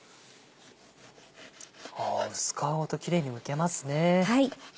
薄皮ごとキレイにむけますね。